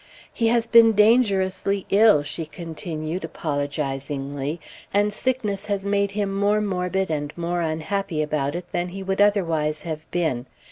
"He has been dangerously ill," she continued, apologizingly, "and sickness has made him more morbid and more unhappy about it than he would otherwise have been.